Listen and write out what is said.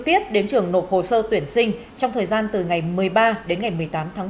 tiếp đến trường nộp hồ sơ tuyển sinh trong thời gian từ ngày một mươi ba đến ngày một mươi tám tháng